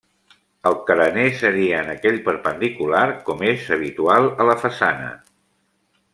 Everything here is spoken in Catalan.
El carener seria en aquell perpendicular, com és habitual, a la façana.